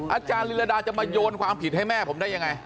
อาจารย์ลีลาดาจะมาโยนความผิดให้แม่ผมได้ยังไง